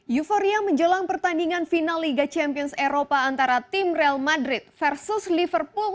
euforia menjelang pertandingan final liga champions eropa antara tim real madrid versus liverpool